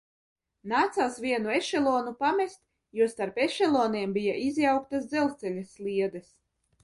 Nācās vienu ešelonu pamest, jo starp ešeloniem bija izjauktas dzelzceļa sliedes.